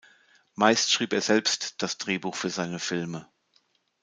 Meist schrieb er selbst das Drehbuch für seine Filme.